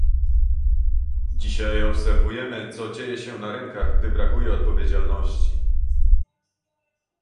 Dzisiaj obserwujemy, co dzieje się na rynkach, gdy brakuje odpowiedzialności